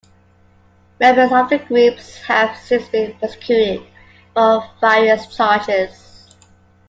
Members of the groups have since been prosecuted for various charges.